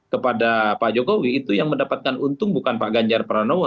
kepada pak jokowi itu yang mendapatkan untung bukan pak ganjar pranowo